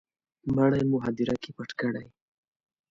مړی مو هدیره کي پټ کړی